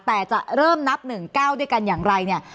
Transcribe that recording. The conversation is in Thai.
แต่จะเริ่มนับ๑๙ด้วยกันอย่างไรเนี่ย